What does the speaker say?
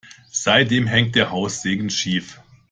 Seitdem hängt der Haussegen schief.